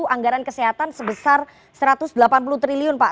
anggaran kesehatan sebesar satu ratus delapan puluh triliun pak